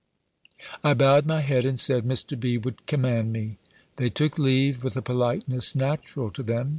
I bowed my head, and said, Mr. B. would command me. They took leave with a politeness natural to them.